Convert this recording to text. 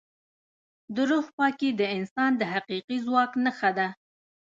د روح پاکي د انسان د حقیقي ځواک نښه ده.